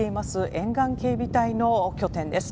沿岸警備隊の拠点です。